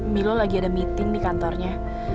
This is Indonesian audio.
milo lagi ada meeting di kantornya